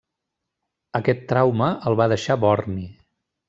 Aquest trauma el va deixar borni.